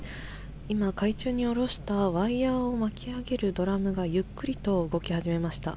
今、海中に下ろしたワイヤを巻き上げるドラムがゆっくりと動き始めました。